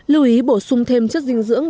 lưu ý bổ sung thêm chất dinh dưỡng